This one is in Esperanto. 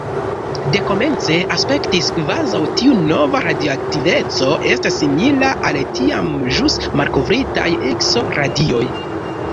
Dekomence, aspektis, kvazaŭ tiu nova radioaktiveco estas simila al la tiam ĵus malkovritaj Ikso-radioj.